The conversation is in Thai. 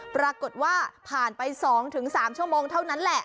ปรากฏว่าผ่านไป๒๓ชั่วโมงเท่านั้นแหละ